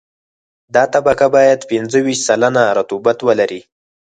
دا طبقه باید پنځه ویشت سلنه رطوبت ولري